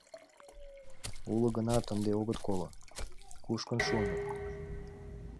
Уло гынат, ынде огыт коло, кушкын шуыныт.